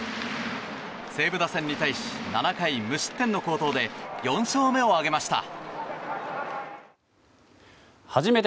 西武打線に対し７回無失点の好投で４勝目を挙げました。